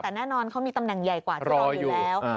แต่แน่นอนเขามีตำแหน่งใหญ่กว่าทดลองอยู่แล้ว